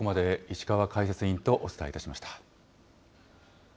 石川解説委員とお伝えいたしました。